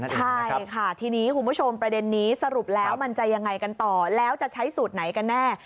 ใช่ค่ะทีนี้คุณผู้ชมประเด็นนี้สรุปแล้วมันจะยังไงกันต่อแล้วจะใช้สูตรไหนกันแน่